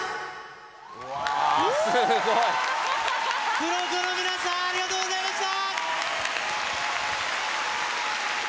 ＫＵＲＯＫＯの皆さんありがとうございました！